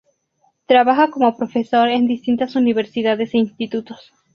Trabaja como profesor en distintas universidades e institutos.